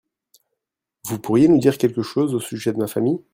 Vous pourriez nous dire quelque chose au sujet de ma famille ?